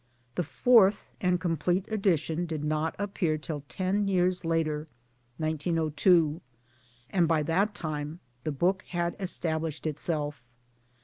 The fourth and complete edition did not appear till ten years later (1902), and by that time the book had established itself.